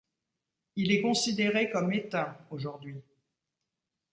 Il est considéré comme éteint aujourd'hui.